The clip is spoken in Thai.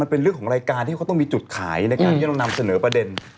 เป็นเรื่องของรายการที่เขาต้องมีจุดขายในการที่เรานำเสนอประเด็น